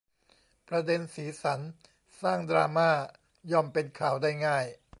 ประเด็นสีสัน สร้างดราม่า ย่อมเป็นข่าวได้ง่าย